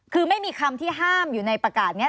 คือไม่มีคำที่ห้ามอยู่ในประกาศนี้